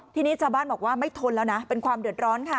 ทีนี้ชาวบ้านบอกว่าไม่ทนแล้วนะเป็นความเดือดร้อนค่ะ